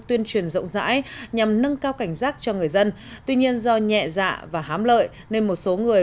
tuyên truyền rộng rãi nhằm nâng cao cảnh giác cho người dân tuy nhiên do nhẹ dạ và hám lợi nên một số người